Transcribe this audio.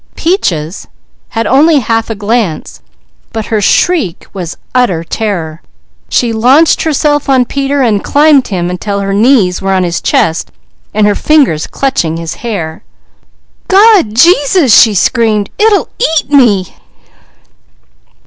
Peaches had only half a glance, but her shriek was utter terror. She launched herself on Peter and climbed him, until her knees were on his chest, and her fingers clutching his hair. "God Jesus!" she screamed. "It 'ull eat me!"